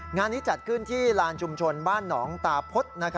งานนี้จัดขึ้นที่ลานชุมชนบ้านหนองตาพฤษ